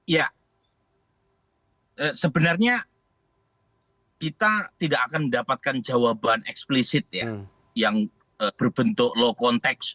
ya sebenarnya kita tidak akan mendapatkan jawaban eksplisit ya yang berbentuk low context